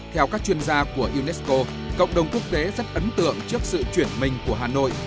theo các chuyên gia của unesco cộng đồng quốc tế rất ấn tượng trước sự chuyển mình của hà nội